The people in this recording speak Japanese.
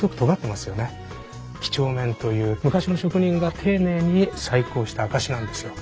几帳面という昔の職人が丁寧に細工をした証しなんですよ。